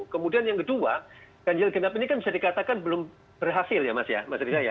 kemudian yang kedua ganjil genap ini kan bisa dikatakan belum berhasil ya mas rizaya